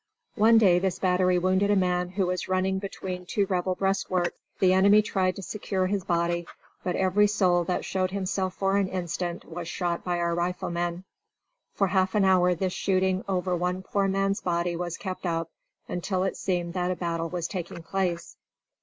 One day this battery wounded a man who was running between two Rebel breastworks. The enemy tried to secure his body, but every soul that showed himself for an instant was shot by our riflemen. For half an hour this shooting over one poor man's body was kept up, until it seemed that a battle was taking place.